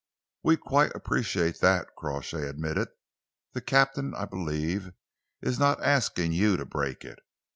"We quite appreciate that," Crawshay admitted. "The captain, I believe, is not asking you to break it.